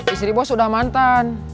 istri bos sudah mantan